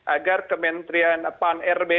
agar kementerian pan rb